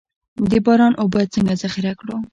د باران اوبه څنګه ذخیره کړو؟